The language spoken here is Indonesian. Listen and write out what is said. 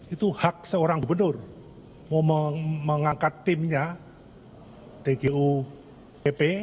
itu hak seorang gubernur mau mengangkat timnya tgupp